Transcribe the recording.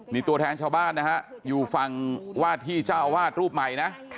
นี่ตัวแทนชาวบ้านนะฮะอยู่ฝั่งวาดที่เจ้าอาวาสรูปใหม่นะ